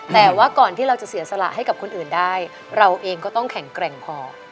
แต่ว่าก่อนที่เราจะเสียสละให้กับคนอื่นได้เราเองก็ต้องแข็งแกร่งพอ